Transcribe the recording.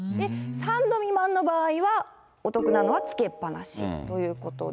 ３度未満の場合は、お得なのはつけっぱなしということで。